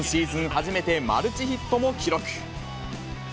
初めて、マルチヒットも記録。